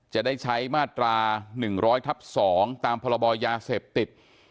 จะได้ใช้มาตราหนึ่งร้อยทับสองตามพระบอยยาเสพติด